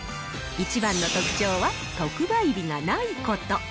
一番の特徴は、特売日がないこと。